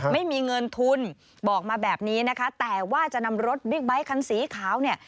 ไม่มีเงินทุนบอกมาแบบนี้นะคะแต่ว่าจะนำรถบิ๊กไบท์คันสีขาวเนี่ย